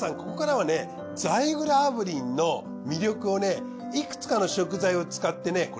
ここからはねザイグル炙輪の魅力をいくつかの食材を使ってね。